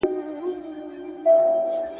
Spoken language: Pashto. د حقوق پوهنځي ونه لوستله `